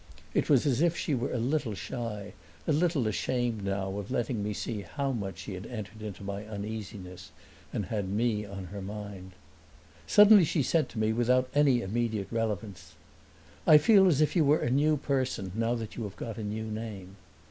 It was as if she were a little shy, a little ashamed now of letting me see how much she had entered into my uneasiness and had me on her mind. Suddenly she said to me, without any immediate relevance: "I feel as if you were a new person, now that you have got a new name."